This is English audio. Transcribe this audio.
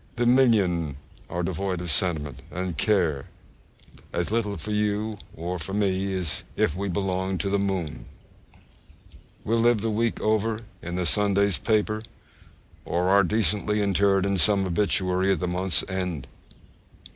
The million are devoid of sentiment, and care as little for you or me as if we belonged to the moon. We live the week over in the Sunday's paper, or are decently interred in some obituary at the month's end!